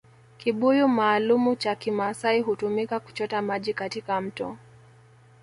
Kibuyu maalumu cha Kimaasai hutumika kuchota maji katika mto